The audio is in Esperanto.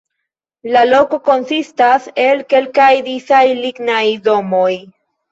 La loko konsistas el kelkaj disaj lignaj domoj.